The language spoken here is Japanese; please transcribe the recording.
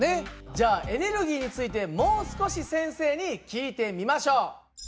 じゃあエネルギーについてもう少し先生に聞いてみましょう。